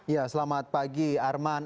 ya selamat pagi arman